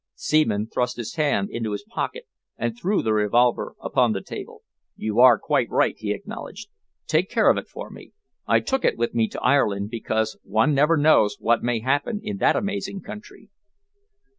Seaman thrust his hand into his pocket and threw the revolver upon the table. "You are quite right," he acknowledged. "Take care of it for me. I took it with me to Ireland, because one never knows what may happen in that amazing country."